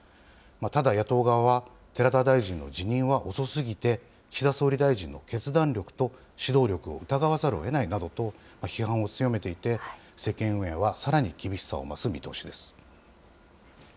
ただ、野党側は寺田大臣の辞任は遅すぎて、岸田総理大臣の決断力と指導力を疑わざるをえないなどと批判を強めていて、政権運営はさらに厳しさを増す見通しです。